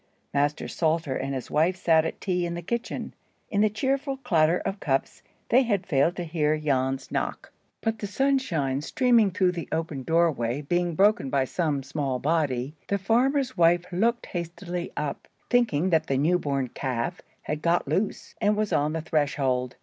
Master Salter and his wife sat at tea in the kitchen. In the cheerful clatter of cups, they had failed to hear Jan's knock; but the sunshine streaming through the open doorway being broken by some small body, the farmer's wife looked hastily up, thinking that the new born calf had got loose, and was on the threshold.